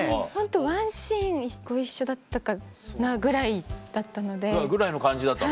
ワンシーンご一緒だったかな？ぐらいだったので。ぐらいの感じだったの？